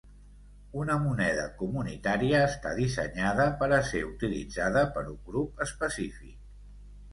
Una moneda comunitària està dissenyada per a ser utilitzada per un grup específic.